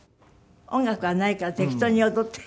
音楽がないから適当に踊って。